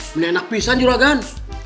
menyenak pisan juragan